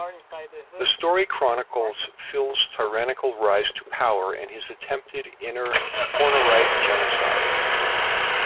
The story chronicles Phil's tyrannical rise to power and his attempted Inner Hornerite genocide.